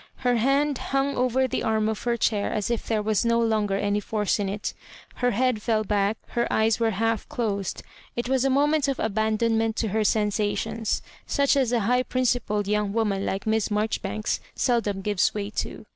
Her hand hung over the arm of her chair as if there was no longer any force in it Her head feU back, her eyes were half closed; it was a mo ment of abandonment to her sensationfs such as a high principled young woman like Miss Mar joribanks seldom gives way to.